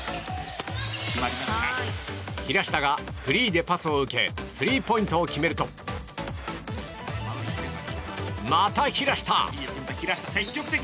平下がフリーでパスを受けスリーポイントを決めるとまた平下！